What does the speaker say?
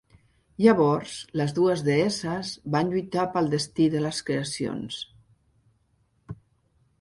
Llavors les dues deesses van lluitar pel destí de les creacions.